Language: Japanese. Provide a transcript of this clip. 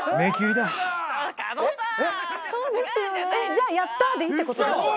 じゃあ「やった！」でいいってこと？